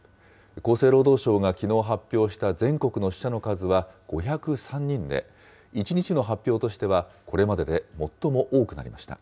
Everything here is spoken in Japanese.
厚生労働省がきのう発表した全国の死者の数は５０３人で、１日の発表としてはこれまでで最も多くなりました。